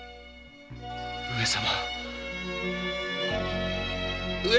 上様。